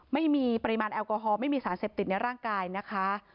ไม่มีปริมาณแอลกอฮอล์ไม่มีสารเสพติดในร่างกายนะคะ